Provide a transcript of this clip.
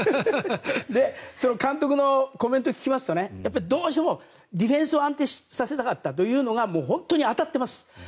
監督のコメントを聞きますとどうしてもディフェンスを安定させたかったというのが当たっています。